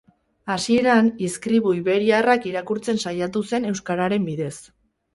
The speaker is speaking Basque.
Hasieran, izkribu iberiarrak irakurtzen saiatu zen euskararen bidez.